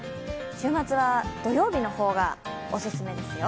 週末は土曜日の方がおすすめですよ。